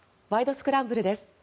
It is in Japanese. スクランブル」です。